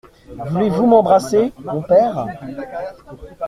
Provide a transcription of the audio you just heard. Voulez-vous m’embrasser, mon père ?